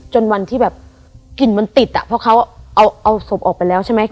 จนวันที่แบบกลิ่นมันติดอ่ะเพราะเขาเอาศพออกไปแล้วใช่ไหม